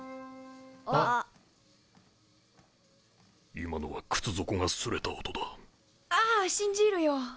今のはくつ底がすれた音だ。ああ信じるよ。